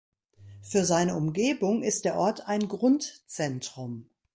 Für seine Umgebung ist der Ort ein Grundzentrum.